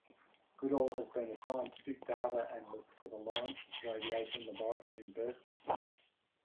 Goodall had been a scientific data analyst for the Lawrence Radiation Laboratory in Berkeley.